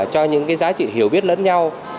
cho những cái giá trị hiểu biết lớn nhau